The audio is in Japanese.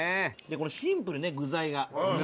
シンプルね具材が。